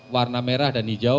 warna merah dan hijau